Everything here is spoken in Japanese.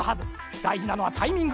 だいじなのはタイミング。